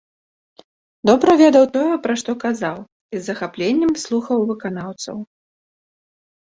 Добра ведаў тое, пра што казаў і з захапленнем слухаў выканаўцаў.